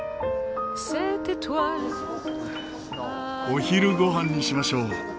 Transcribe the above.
お昼ご飯にしましょう。